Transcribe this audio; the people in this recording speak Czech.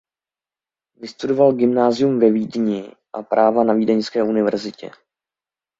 Vystudoval gymnázium ve Vídni a práva na Vídeňské univerzitě.